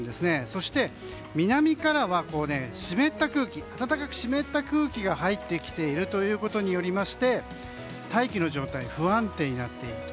そして南からは暖かく湿った空気が入ってきているということにより大気の状態が不安定になっていると。